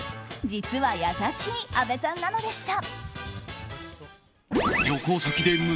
実は優しい阿部さんなのでした。